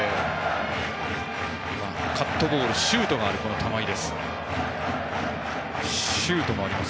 カットボールシュートがある玉井。